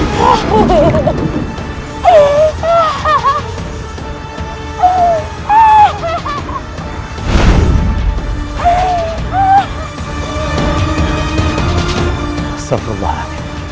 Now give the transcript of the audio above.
masa allah rade